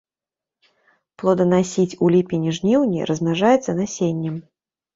Плоданасіць у ліпені-жніўні, размнажаецца насеннем.